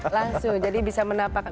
langsung jadi bisa menapakan